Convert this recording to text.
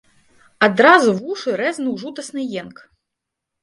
Адразу вушы рэзнуў жудасны енк.